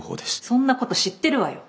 そんなこと知ってるわよ！